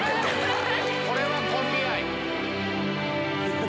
これはコンビ愛。